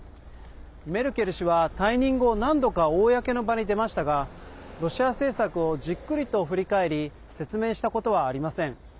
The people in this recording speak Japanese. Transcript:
メルケル氏は退任後何度か公の場に出ましたがロシア政策をじっくりと振り返り説明したことはありません。